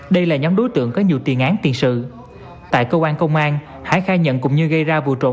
đây là nhóm đối tượng có nhiều tiền án tiền sự tại cơ quan công an hải khai nhận cũng như gây ra vụ trộm